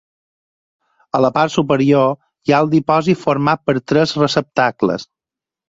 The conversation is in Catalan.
A la part superior hi ha el dipòsit format per tres receptacles.